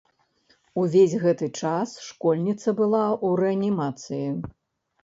Увесь гэты час школьніца была ў рэанімацыі.